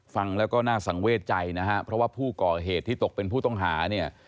ฟังแล้วก็น่าสังเวทใจนะฮะเพราะว่าผู้ก่อเหตุที่ตกเป็นผู้ต้องหาเนี่ย